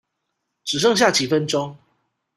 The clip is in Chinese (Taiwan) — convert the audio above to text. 只剩下幾分鐘